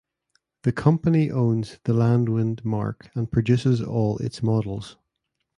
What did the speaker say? The company owns the Landwind marque and produces all its models.